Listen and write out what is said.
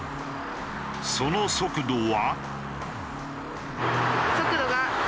その速度は。